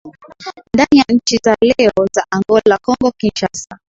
ndani ya nchi za leo za Angola Kongo Kinshasa